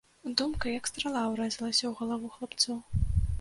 Думка, як страла, урэзалася ў галаву хлапцу.